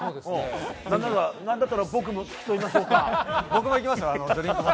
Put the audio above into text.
何だったら僕も付き添いましょうか。